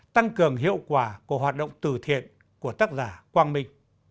tăng cường hiệu quả của hoạt động từ thiện của tác giả quang minh